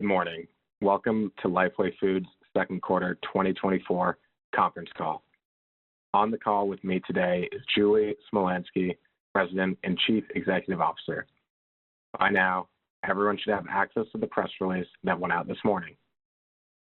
Good morning. Welcome to Lifeway Foods' second quarter 2024 conference call. On the call with me today is Julie Smolyansky, President and Chief Executive Officer. By now, everyone should have access to the press release that went out this morning.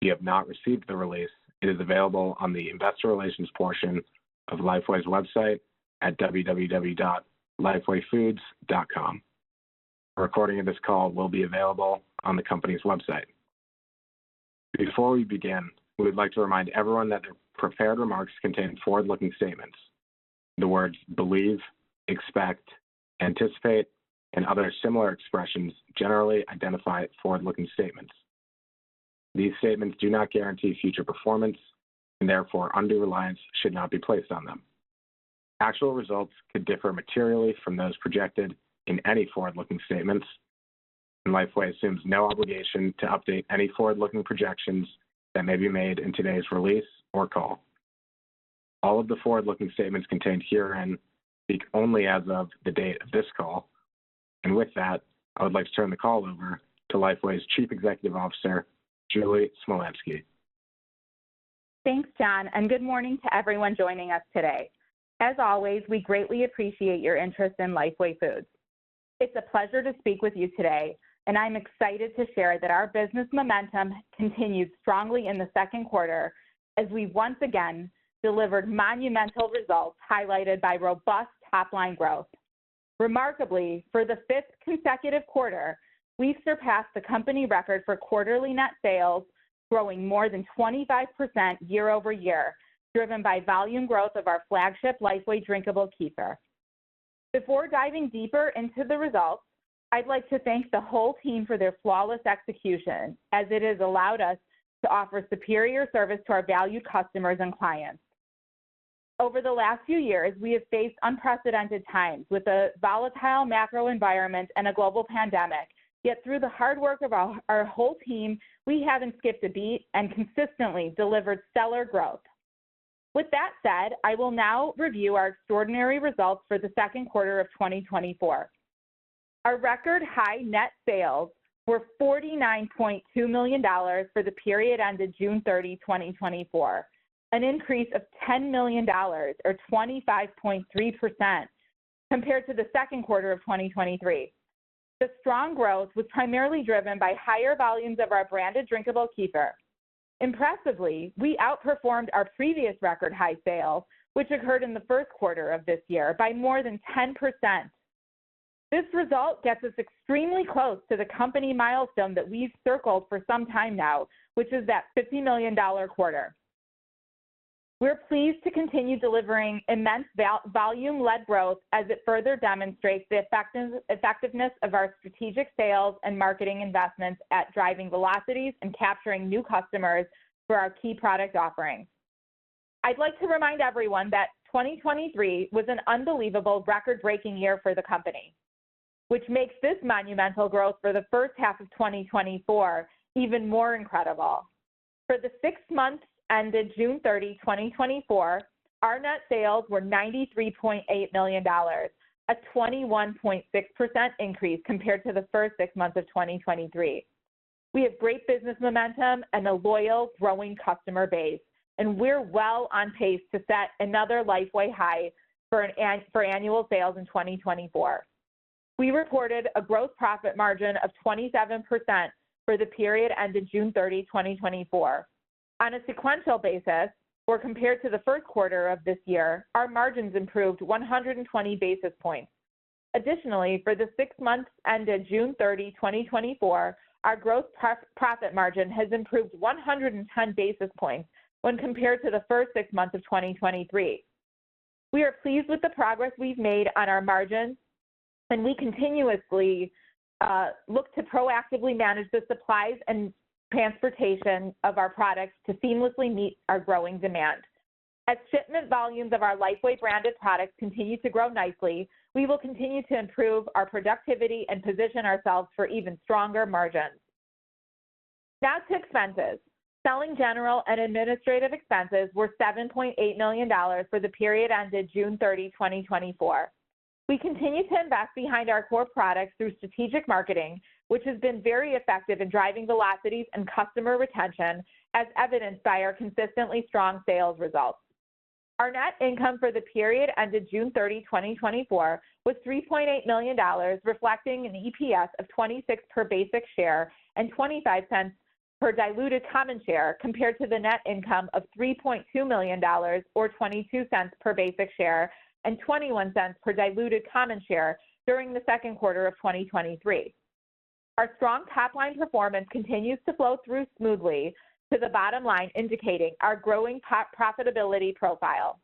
If you have not received the release, it is available on the investor relations portion of Lifeway's website at www.lifewayfoods.com. A recording of this call will be available on the company's website. Before we begin, we would like to remind everyone that the prepared remarks contain forward-looking statements. The words believe, expect, anticipate, and other similar expressions generally identify forward-looking statements. These statements do not guarantee future performance, and therefore, undue reliance should not be placed on them. Actual results could differ materially from those projected in any forward-looking statements, and Lifeway assumes no obligation to update any forward-looking projections that may be made in today's release or call. All of the forward-looking statements contained herein speak only as of the date of this call. With that, I would like to turn the call over to Lifeway's Chief Executive Officer, Julie Smolyansky. Thanks, John, and good morning to everyone joining us today. As always, we greatly appreciate your interest in Lifeway Foods. It's a pleasure to speak with you today, and I'm excited to share that our business momentum continued strongly in the second quarter as we once again delivered monumental results, highlighted by robust top-line growth. Remarkably, for the fifth consecutive quarter, we've surpassed the company record for quarterly net sales, growing more than 25% year-over-year, driven by volume growth of our flagship Lifeway Drinkable Kefir. Before diving deeper into the results, I'd like to thank the whole team for their flawless execution, as it has allowed us to offer superior service to our valued customers and clients. Over the last few years, we have faced unprecedented times with a volatile macro environment and a global pandemic. Yet through the hard work of our whole team, we haven't skipped a beat and consistently delivered stellar growth. With that said, I will now review our extraordinary results for the second quarter of 2024. Our record-high net sales were $49.2 million for the period ended June 30, 2024, an increase of $10 million, or 25.3%, compared to the second quarter of 2023. The strong growth was primarily driven by higher volumes of our branded drinkable kefir. Impressively, we outperformed our previous record high sales, which occurred in the first quarter of this year, by more than 10%. This result gets us extremely close to the company milestone that we've circled for some time now, which is that $50 million quarter. We're pleased to continue delivering immense volume-led growth as it further demonstrates the effectiveness of our strategic sales and marketing investments at driving velocities and capturing new customers for our key product offerings. I'd like to remind everyone that 2023 was an unbelievable record-breaking year for the company, which makes this monumental growth for the first half of 2024 even more incredible. For the six months ended June 30, 2024, our net sales were $93.8 million, a 21.6% increase compared to the first six months of 2023. We have great business momentum and a loyal, growing customer base, and we're well on pace to set another Lifeway high for annual sales in 2024. We reported a gross profit margin of 27% for the period ended June 30, 2024. On a sequential basis, or compared to the first quarter of this year, our margins improved 120 basis points. Additionally, for the six months ended June 30, 2024, our gross profit margin has improved 110 basis points when compared to the first six months of 2023. We are pleased with the progress we've made on our margins, and we continuously look to proactively manage the supplies and transportation of our products to seamlessly meet our growing demand. As shipment volumes of our Lifeway branded products continue to grow nicely, we will continue to improve our productivity and position ourselves for even stronger margins. Now to expenses. Selling, general, and administrative expenses were $7.8 million for the period ended June 30, 2024. We continue to invest behind our core products through strategic marketing, which has been very effective in driving velocities and customer retention, as evidenced by our consistently strong sales results. Our net income for the period ended June 30, 2024, was $3.8 million, reflecting an EPS of 26 cents per basic share and 25 cents per diluted common share, compared to the net income of $3.2 million, or 22 cents per basic share, and 21 cents per diluted common share during the second quarter of 2023. Our strong top-line performance continues to flow through smoothly to the bottom line, indicating our growing top profitability profile.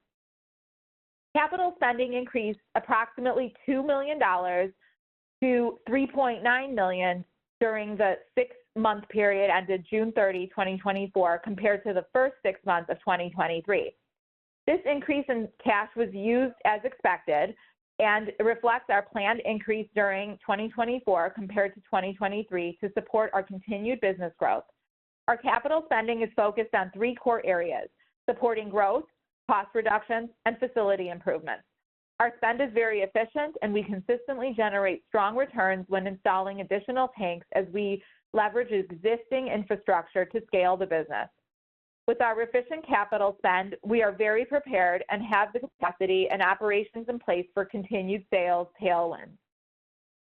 Capital spending increased approximately $2 million-$3.9 million during the six-month period ended June 30, 2024, compared to the first six months of 2023. This increase in cash was used as expected and reflects our planned increase during 2024 compared to 2023 to support our continued business growth. Our capital spending is focused on 3 core areas: supporting growth, cost reduction, and facility improvements. Our spend is very efficient, and we consistently generate strong returns when installing additional tanks as we leverage existing infrastructure to scale the business. With our efficient capital spend, we are very prepared and have the capacity and operations in place for continued sales tailwinds.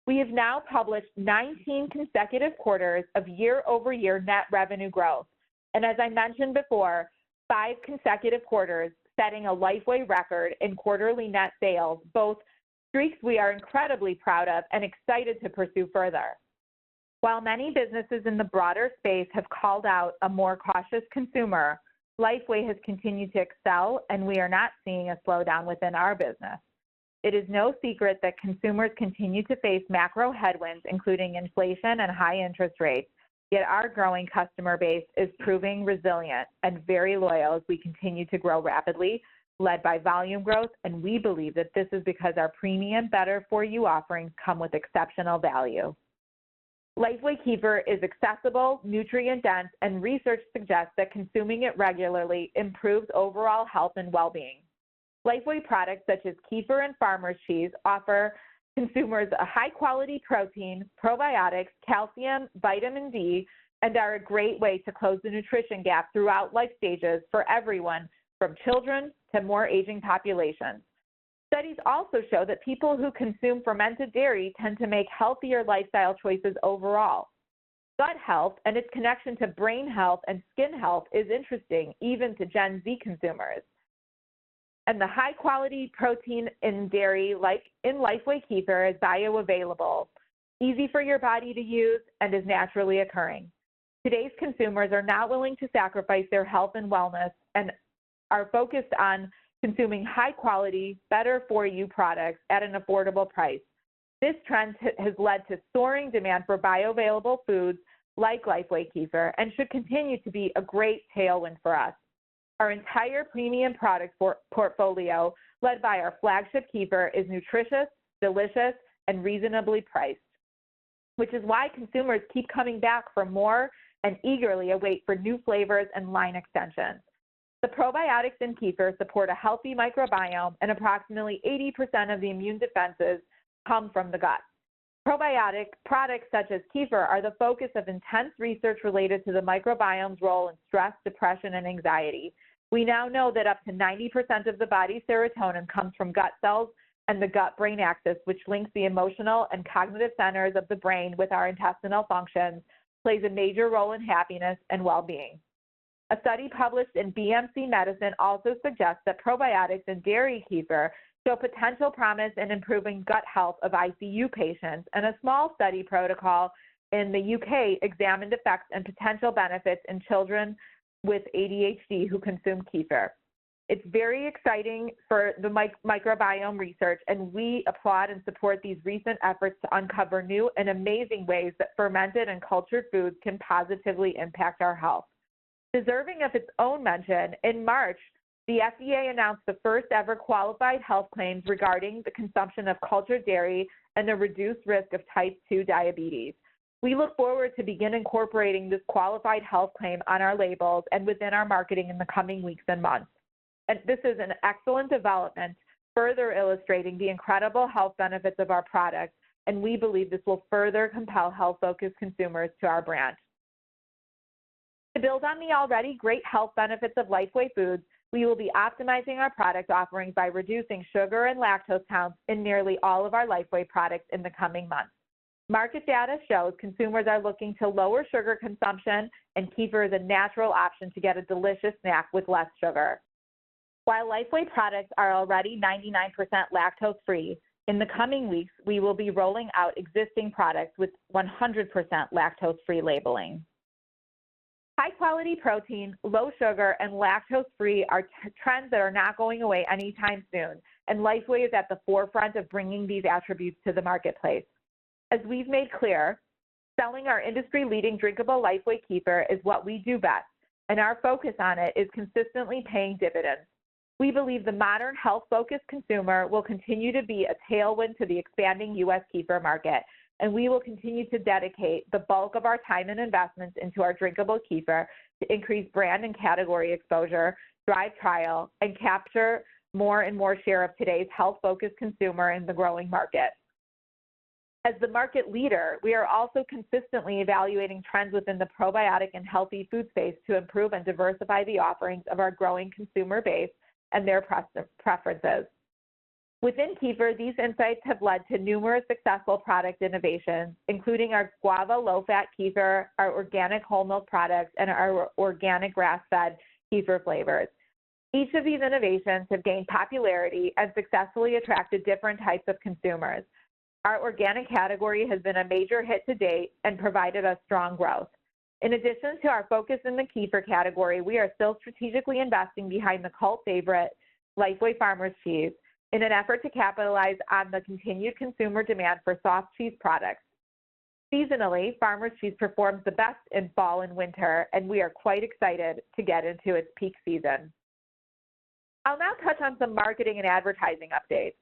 We have now published 19 consecutive quarters of year-over-year net revenue growth, and as I mentioned before, 5 consecutive quarters, setting a Lifeway record in quarterly net sales, both streaks we are incredibly proud of and excited to pursue further. While many businesses in the broader space have called out a more cautious consumer, Lifeway has continued to excel, and we are not seeing a slowdown within our business. It is no secret that consumers continue to face macro headwinds, including inflation and high interest rates, yet our growing customer base is proving resilient and very loyal as we continue to grow rapidly, led by volume growth, and we believe that this is because our premium Better For You offerings come with exceptional value. Lifeway Kefir is accessible, nutrient-dense, and research suggests that consuming it regularly improves overall health and well-being. Lifeway products, such as kefir and farmer's cheese, offer consumers a high-quality protein, probiotics, calcium, vitamin D, and are a great way to close the nutrition gap throughout life stages for everyone, from children to more aging populations. Studies also show that people who consume fermented dairy tend to make healthier lifestyle choices overall. Gut health and its connection to brain health and skin health is interesting, even to Gen Z consumers. The high-quality protein in dairy, like in Lifeway Kefir, is bioavailable, easy for your body to use, and is naturally occurring. Today's consumers are not willing to sacrifice their health and wellness and are focused on consuming high-quality, better-for-you products at an affordable price. This trend has led to soaring demand for bioavailable foods like Lifeway Kefir and should continue to be a great tailwind for us. Our entire premium product portfolio, led by our flagship, Kefir, is nutritious, delicious, and reasonably priced, which is why consumers keep coming back for more and eagerly await for new flavors and line extensions. The probiotics in kefir support a healthy microbiome, and approximately 80% of the immune defenses come from the gut. Probiotic products such as kefir are the focus of intense research related to the microbiome's role in stress, depression, and anxiety. We now know that up to 90% of the body's serotonin comes from gut cells, and the gut-brain axis, which links the emotional and cognitive centers of the brain with our intestinal functions, plays a major role in happiness and well-being. A study published in BMC Medicine also suggests that probiotics and dairy kefir show potential promise in improving gut health of ICU patients, and a small study protocol in the U.K. examined effects and potential benefits in children with ADHD who consume kefir. It's very exciting for the microbiome research, and we applaud and support these recent efforts to uncover new and amazing ways that fermented and cultured foods can positively impact our health. Deserving of its own mention, in March, the FDA announced the first-ever qualified health claims regarding the consumption of cultured dairy and the reduced risk of Type 2 diabetes. We look forward to begin incorporating this qualified health claim on our labels and within our marketing in the coming weeks and months. And this is an excellent development, further illustrating the incredible health benefits of our products, and we believe this will further compel health-focused consumers to our brand. To build on the already great health benefits of Lifeway Foods, we will be optimizing our product offerings by reducing sugar and lactose counts in nearly all of our Lifeway products in the coming months. Market data shows consumers are looking to lower sugar consumption, and kefir is a natural option to get a delicious snack with less sugar. While Lifeway products are already 99% lactose-free, in the coming weeks, we will be rolling out existing products with 100% lactose-free labeling. High-quality protein, low sugar, and lactose-free are trends that are not going away anytime soon, and Lifeway is at the forefront of bringing these attributes to the marketplace. As we've made clear, selling our industry-leading drinkable Lifeway Kefir is what we do best, and our focus on it is consistently paying dividends. We believe the modern, health-focused consumer will continue to be a tailwind to the expanding U.S. kefir market, and we will continue to dedicate the bulk of our time and investments into our drinkable kefir to increase brand and category exposure, drive trial, and capture more and more share of today's health-focused consumer in the growing market. As the market leader, we are also consistently evaluating trends within the probiotic and healthy food space to improve and diversify the offerings of our growing consumer base and their preferences. Within kefir, these insights have led to numerous successful product innovations, including our guava low-fat kefir, our organic whole milk products, and our organic grass-fed kefir flavors. Each of these innovations have gained popularity and successfully attracted different types of consumers. Our organic category has been a major hit to date and provided us strong growth. In addition to our focus in the kefir category, we are still strategically investing behind the cult favorite, Lifeway Farmer Cheese, in an effort to capitalize on the continued consumer demand for soft cheese products. Seasonally, Farmer Cheese performs the best in fall and winter, and we are quite excited to get into its peak season. I'll now touch on some marketing and advertising updates.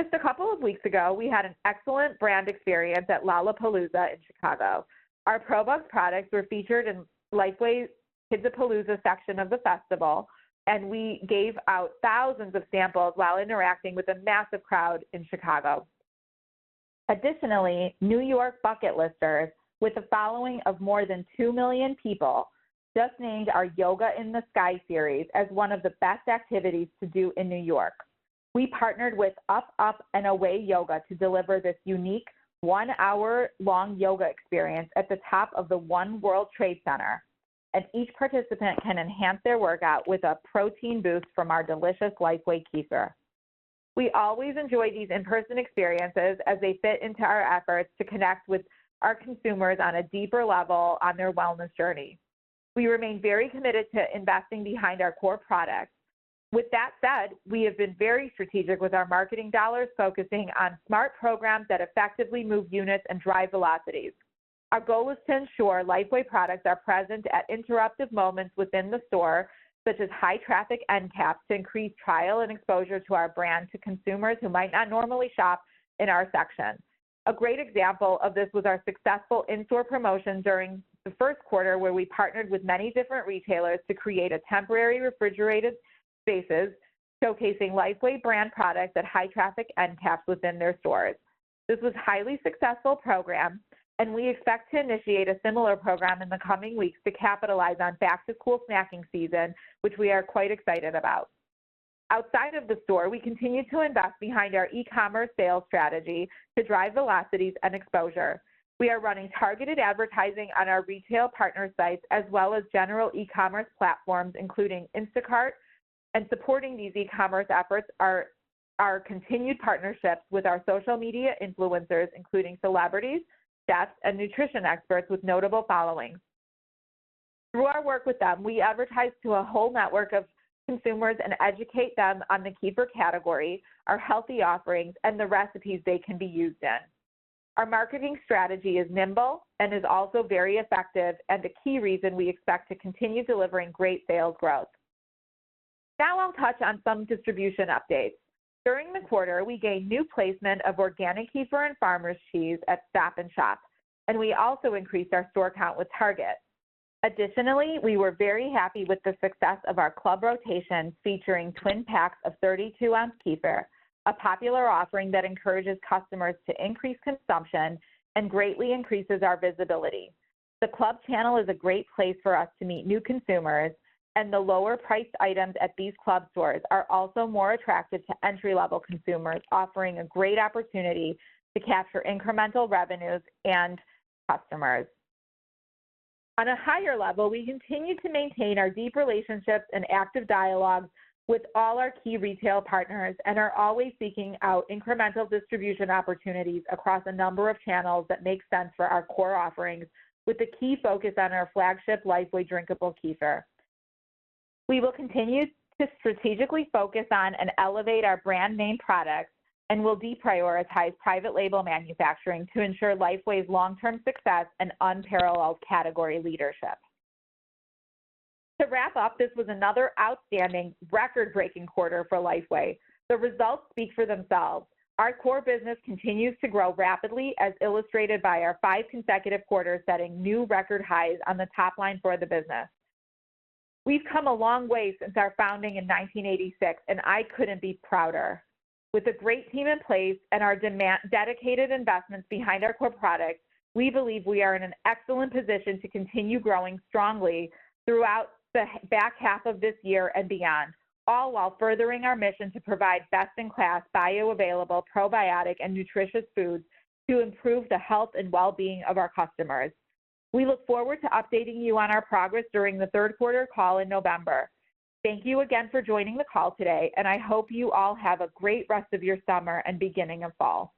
Just a couple of weeks ago, we had an excellent brand experience at Lollapalooza in Chicago. Our ProBugs products were featured in Lifeway's Kidzapalooza section of the festival, and we gave out thousands of samples while interacting with a massive crowd in Chicago. Additionally, New York Bucket List, with a following of more than 2 million people, just named our Yoga in the Sky series as one of the best activities to do in New York. We partnered with Up, Up & Away Yoga to deliver this unique one-hour-long yoga experience at the top of the One World Trade Center, and each participant can enhance their workout with a protein boost from our delicious Lifeway Kefir. We always enjoy these in-person experiences as they fit into our efforts to connect with our consumers on a deeper level on their wellness journey. We remain very committed to investing behind our core products. With that said, we have been very strategic with our marketing dollars, focusing on smart programs that effectively move units and drive velocities. Our goal is to ensure Lifeway products are present at interruptive moments within the store, such as high traffic end caps, to increase trial and exposure to our brand to consumers who might not normally shop in our sections. A great example of this was our successful in-store promotion during the first quarter, where we partnered with many different retailers to create a temporary refrigerated spaces, showcasing Lifeway brand products at high traffic end caps within their stores. This was highly successful program, and we expect to initiate a similar program in the coming weeks to capitalize on back-to-school snacking season, which we are quite excited about. Outside of the store, we continue to invest behind our e-commerce sales strategy to drive velocities and exposure. We are running targeted advertising on our retail partner sites, as well as general e-commerce platforms, including Instacart. Supporting these e-commerce efforts are our continued partnerships with our social media influencers, including celebrities, chefs, and nutrition experts with notable followings. Through our work with them, we advertise to a whole network of consumers and educate them on the kefir category, our healthy offerings, and the recipes they can be used in. Our marketing strategy is nimble and is also very effective and a key reason we expect to continue delivering great sales growth. Now I'll touch on some distribution updates. During the quarter, we gained new placement of organic kefir and farmer's cheese at Stop & Shop, and we also increased our store count with Target. Additionally, we were very happy with the success of our club rotation, featuring twin packs of 32-ounce kefir, a popular offering that encourages customers to increase consumption and greatly increases our visibility. The club channel is a great place for us to meet new consumers, and the lower priced items at these club stores are also more attractive to entry-level consumers, offering a great opportunity to capture incremental revenues and customers. On a higher level, we continue to maintain our deep relationships and active dialogues with all our key retail partners and are always seeking out incremental distribution opportunities across a number of channels that make sense for our core offerings, with a key focus on our flagship Lifeway drinkable kefir. We will continue to strategically focus on and elevate our brand name products and will deprioritize private label manufacturing to ensure Lifeway's long-term success and unparalleled category leadership. To wrap up, this was another outstanding, record-breaking quarter for Lifeway. The results speak for themselves. Our core business continues to grow rapidly, as illustrated by our five consecutive quarters, setting new record highs on the top line for the business. We've come a long way since our founding in 1986, and I couldn't be prouder. With a great team in place and our dedicated investments behind our core products, we believe we are in an excellent position to continue growing strongly throughout the back half of this year and beyond, all while furthering our mission to provide best-in-class, bioavailable, probiotic, and nutritious foods to improve the health and well-being of our customers. We look forward to updating you on our progress during the third quarter call in November. Thank you again for joining the call today, and I hope you all have a great rest of your summer and beginning of fall.